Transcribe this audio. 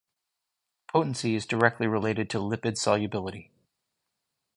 Potency is directly related to lipid solubility.